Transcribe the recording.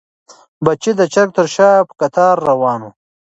بچي د چرګې تر شا په کتار روان وو.